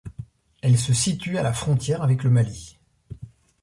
Elle se situe à la frontière avec le Mali.